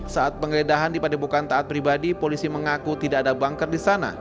saat pengeledahan di pandemukan taat pribadi polisi mengaku tidak ada bunker di sana